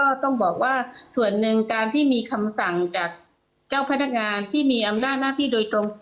ก็ต้องบอกว่าส่วนหนึ่งการที่มีคำสั่งจากเจ้าพนักงานที่มีอำนาจหน้าที่โดยตรง